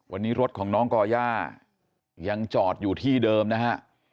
วันนี้รถของน้องก่อย่ายังจอดอยู่ที่เดิมนะฮะ